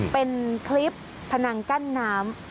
เป็นคลิปพนังกั้นน้ำ